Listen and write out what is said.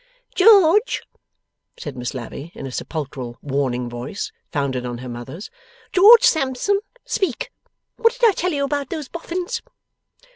'George!' said Miss Lavvy, in a sepulchral, warning voice, founded on her mother's; 'George Sampson, speak! What did I tell you about those Boffins?